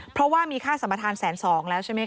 เพราะว่ามีค่าสัมภาษณ์๑๒๐๐๐๐บาทแล้วใช่ไหมคะ